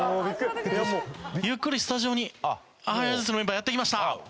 ゆっくりスタジオにＨｉＨｉＪｅｔｓのメンバーやって来ました。